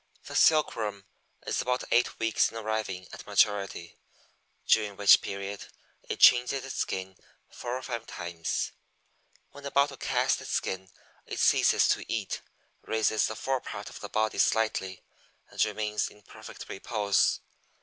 The Silkworm is about eight weeks in arriving at maturity, during which period it changes its skin four or five times. When about to cast its skin it ceases to eat, raises the forepart of the body slightly, and remains in perfect repose.